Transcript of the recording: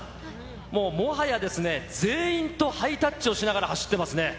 もう、もはやですね、全員とハイタッチをしながら走っていますね。